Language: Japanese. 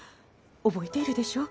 覚えているでしょ。